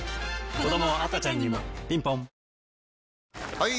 ・はい！